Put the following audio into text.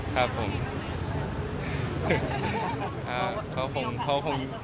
ใช่ครับครับผม